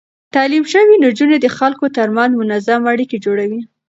تعليم شوې نجونې د خلکو ترمنځ منظم اړيکې جوړوي.